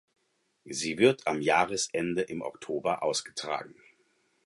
Sie wird am Jahresende im Oktober ausgetragen.